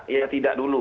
ya tidak dulu